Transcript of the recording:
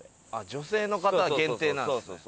女性の方限定なんですね。